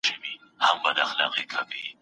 همېشه پر حیوانانو مهربان دی